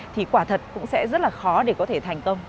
thì quả thật cũng sẽ rất là khó để có thể thành công